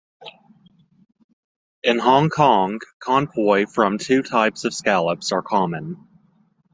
In Hong Kong, conpoy from two types of scallops are common.